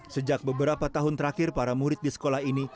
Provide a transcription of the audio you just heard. sejak beberapa tahun terakhir para murid di sekolah ini